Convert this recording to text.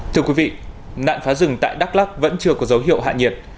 thưa quý vị nạn phá rừng tại đắk lắc vẫn chưa có dấu hiệu hạ nhiệt